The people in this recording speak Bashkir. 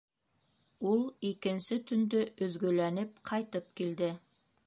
Ул икенсе төндө өҙгөләнеп ҡайтып килде.